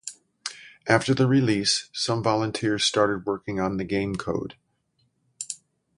After the release, some volunteers started working on the game code.